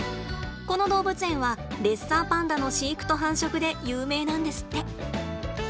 この動物園はレッサーパンダの飼育と繁殖で有名なんですって。